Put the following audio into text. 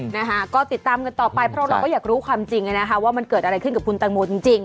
นะคะก็ติดตามกันต่อไปเพราะเราก็อยากรู้ความจริงอ่ะนะคะว่ามันเกิดอะไรขึ้นกับคุณตังโมจริงจริง